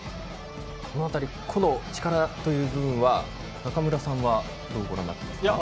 この辺り個の力という部分は中村さんはどうご覧になってますか？